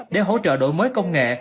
để hỗ trợ đổi mới công nghệ